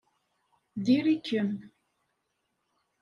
Diri-kem.